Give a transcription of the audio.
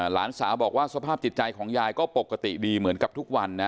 หลานสาวบอกว่าสภาพจิตใจของยายก็ปกติดีเหมือนกับทุกวันนะ